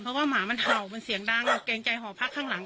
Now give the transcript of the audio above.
เพราะขวางใหม่มันเผ่ามันเสียงดังจากห่อพักข้างหลัง